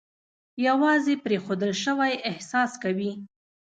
یوازې پرېښودل شوی احساس کوي.